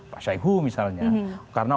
pak syaihu misalnya karena